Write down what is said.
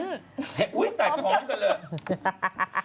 แต่คอไกลก่อนเลย